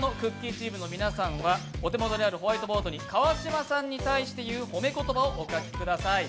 チームの皆さんはお手元にあるホワイトボードに川島さんに対して言う褒め言葉をお書きください。